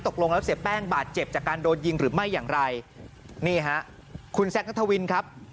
ตกลงแล้วเสียแป้งบาดเจ็บจากการโดนยิงหรือไม่อย่างไรนี่ฮะคุณแซคนัทวินครับ